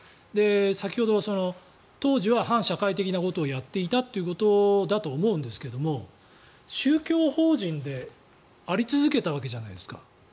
先ほど、当時は反社会的なことをやっていたということだと思うんですが宗教法人であり続けたわけじゃないですか。